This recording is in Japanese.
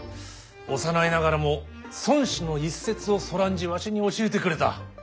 幼いながらも孫子の一節をそらんじわしに教えてくれた。